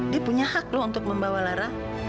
dia punya hak loh untuk membawa lara